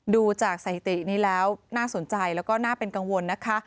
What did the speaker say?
ดูจากสถิตินี้แล้วน่าสนใจแล้วก็น่าเป็นกังวลนะคะ